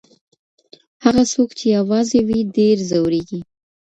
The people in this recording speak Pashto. هغه څوک چي يوازې وي ډېر ځوريږي.